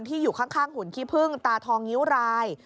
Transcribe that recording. อยู่ข้างหุ่นขี้พึ่งตาทองนิ้วราย